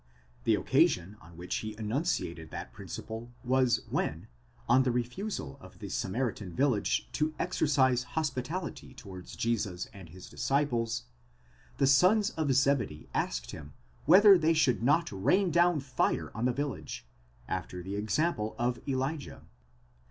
The occasion on which he enunciated that principle was when, on the refusal of a Samaritan village to exercise hospitality towards Jesus and his disciples, the sons of Zebedee asked him whether they should not rain down fire on the village, after the example of Elijah.